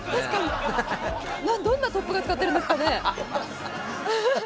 確かにどんなトップ画使ってるんですかね？